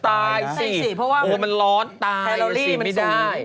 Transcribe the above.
เพราะมันร้อนไม่ได้